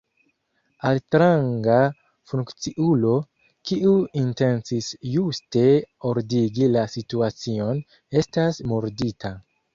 Altranga funkciulo, kiu intencis juste ordigi la situacion, estas murdita.